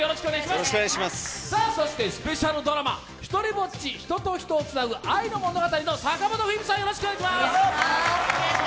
そしてスペシャルドラマ「ひとりぼっち―人と人をつなぐ愛の物語―」の坂本冬美さん、よろしくお願いします！